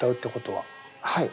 はい。